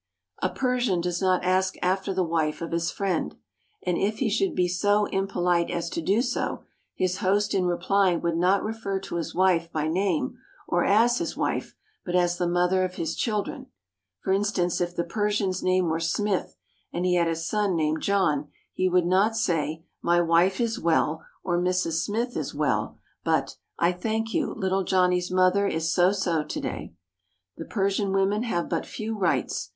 A Persian does not ask after the wife of his friend, and, if he should be so impolite as to do so, his host in replying would not refer to his wife by name or as his wife, but as the mother of his children. For instance, if the Persian's name were Smith, and he had a son named John, he would not say, My wife is well," or "Mrs. Smith is well," but. PERSIA 325 "I thank you, little Johnny's mother is so so to day." The Persian women have but few rights.